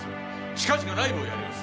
近々ライブをやります。